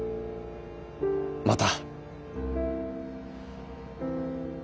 また！